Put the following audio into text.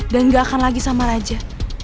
dan gak akan lagi sama raja